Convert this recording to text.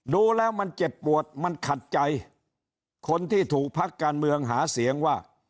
ดูแล้วมันเจ็บปวดมันขัดใจคนที่ถูกพักการเมืองหาเสียงว่า